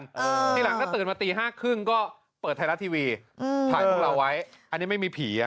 ทีหลังถ้าตื่นมาตีห้าครึ่งก็เปิดไทยรัฐทีวีถ่ายพวกเราไว้อันนี้ไม่มีผีอ่ะ